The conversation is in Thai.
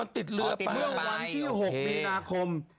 อ๋อมันติดเรือไปเมื่อวันที่หกมีนาคม